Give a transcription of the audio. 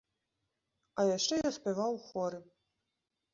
А яшчэ я спяваў у хоры.